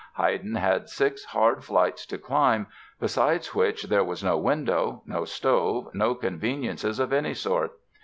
Haydn had six hard flights to climb, besides which there was no window, no stove, no conveniences of any sort.